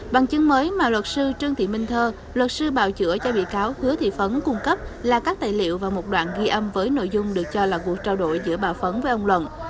bằng chứng mới mà luật sư trương thị minh thơ luật sư bảo chữa cho bị cáo hứa thị phấn cung cấp là các tài liệu và một đoạn ghi âm với nội dung được cho là cuộc trao đổi giữa bà phấn với ông luận